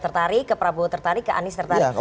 tertarik ke prabowo tertarik ke anies tertarik